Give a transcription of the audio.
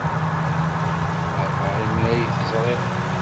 Feṛḥeɣ imi ay t-ẓriɣ.